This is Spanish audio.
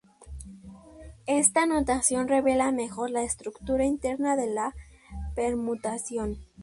Esta notación revela mejor la estructura interna de la permutación.